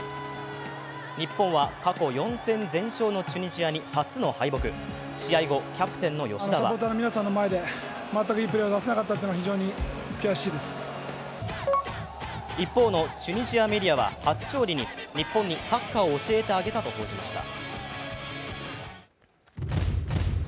日本は過去４戦全勝のチュニジアに初の敗北。試合後、キャプテンの吉田は一方のチュニジアメディアは初勝利に日本にサッカーを教えてあげたと報じました。